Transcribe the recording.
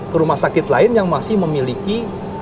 ke rumah sakit lain yang masih memiliki